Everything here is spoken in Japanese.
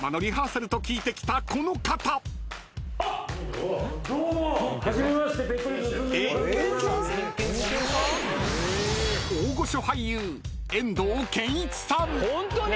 ［大御所俳優遠藤憲一さん］